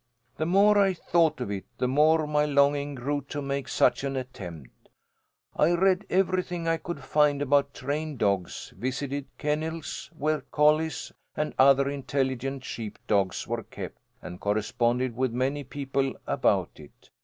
The more I thought of it, the more my longing grew to make such an attempt. I read everything I could find about trained dogs, visited kennels where collies and other intelligent sheepdogs were kept, and corresponded with many people about it.